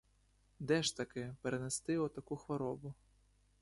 Де ж таки — перенести отаку хворобу!